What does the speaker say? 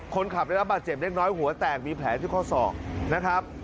คนขับได้รับบาดเจ็บเล็กน้อยหัวแตกมีแผลที่ข้อศอกนะครับ